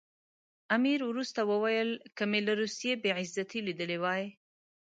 امیر وروسته وویل که مې له روسیې بې عزتي لیدلې وای.